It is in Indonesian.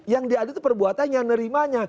yang diadu itu perbuatan yang nerimanya